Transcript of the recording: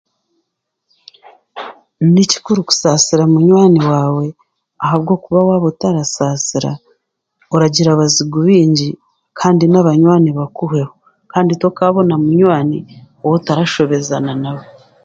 Ni kikuru kusaasira munywani waawe ahabwokuba waaba otarasaasira oragira abazigu baingi kandi n'abanywani bakuhweho kandi t'okaabona munywani ow'otarashobezana nawe